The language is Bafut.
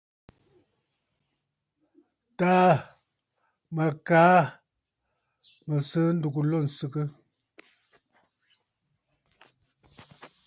Taà mə kaa mə̀ sɨ̌ ndúgú lô ǹsɨgə.